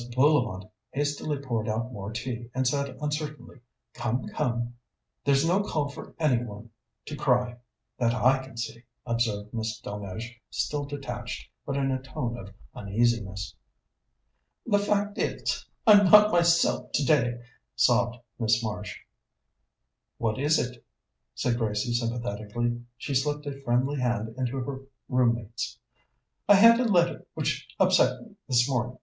Bullivant hastily poured out more tea, and said uncertainly: "Come, come!" "There's no call for any one to cry, that I can see," observed Miss Delmege, still detached, but in a tone of uneasiness. "The fact is, I'm not myself today," sobbed Miss Marsh. "What is it?" said Gracie sympathetically. She slipped a friendly hand into her room mate's. "I had a letter which upset me this morning.